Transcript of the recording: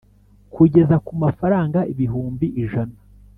kugeza kumafaranga ibihumbi ijana